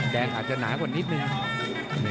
แดงอาจจะหนากว่านิดหนึ่ง